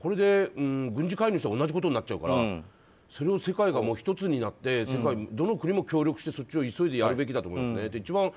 軍事介入したら同じことになっちゃうからそれを世界が１つになってどの国も協力してそっちを急いでやるべきだと思うんですね。